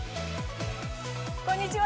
こんにちは。